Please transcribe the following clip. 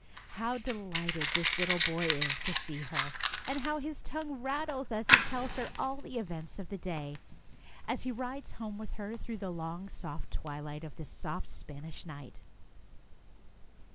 How delighted the little boy is to see her, and how his tongue School days 13 rattles as he tells her all the events of the day, as he rides home with her through the long soft twilight of the soft Spanish night!